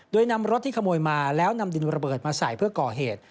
โดยนำรถที่ขโมยมาแล้วนำดินระเบิดมาใส่เพื่อก่อเหตุ